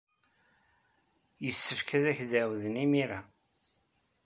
Yessefk ad ak-d-ɛawden imir-a.